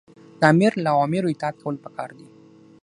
د آمر له اوامرو اطاعت کول پکار دي.